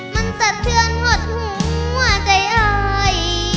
มันสะเทือนหดหัวใจอ่อย